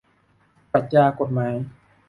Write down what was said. ปรัชญากฎหมาย